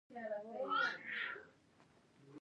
خو د زړو کېسو بیا تازه کول او یادول مې نه خوښېږي.